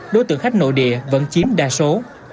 đối tượng khách nội địa vẫn chiếm đa số